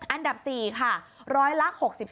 อันดับ๔ค่ะร้อยละ๖๒